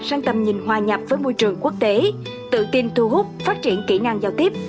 sáng tầm nhìn hòa nhập với môi trường quốc tế tự tin thu hút phát triển kỹ năng giao tiếp